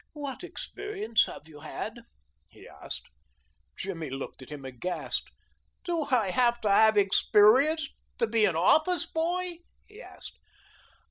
"What experience have you had?" he asked. Jimmy looked at him aghast. "Do I have to have experience to be an office boy?" he asked.